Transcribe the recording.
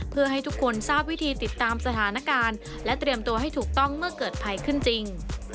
เพื่อให้ทุกคนทราบวิธีติดตามสถานการณ์และเตรียมตัวให้ถูกต้องเมื่อเกิดภัยขึ้นจริง